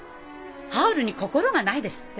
ハウルに心がないですって？